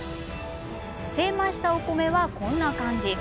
精米したお米は、こんな感じ。